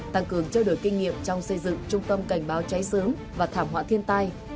tăng cường trao đổi kinh nghiệm trong xây dựng trung tâm cảnh báo cháy sớm và thảm họa thiên tai